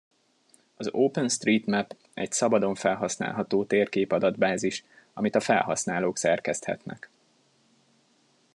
Az OpenStreetMap egy szabadon felhasználható térkép adatbázis, amit a felhasználók szerkeszthetnek.